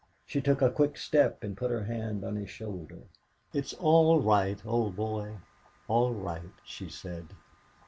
She took a quick step and put her hand on his shoulder. "It's all right, old boy all right!" she said.